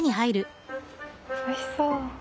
おいしそう！